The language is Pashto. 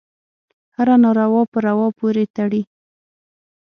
هره ناروا په روا پورې تړي.